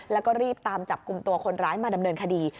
แล้วก็รีบตามจับกลุ่มตัวคนร้ายมาดำเนินคดี